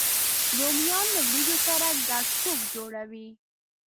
رومیان له ورېجو سره ګډ سوپ جوړوي